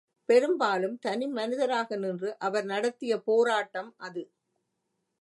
பெரும்பாலும் தனிமனிதராக நின்று அவர் நடத்திய போரட்டம் அது.